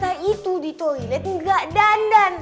tata itu di toilet enggak dandan